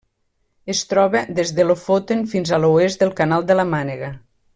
Es troba des de Lofoten fins a l'oest del Canal de la Mànega.